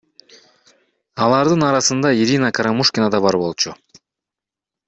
Алардын арасында Ирина Карамушкина да бар болчу.